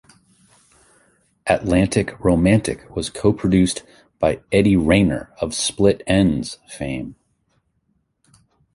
"Atlantic Romantic" was co-produced by Eddie Rayner of Split Enz fame.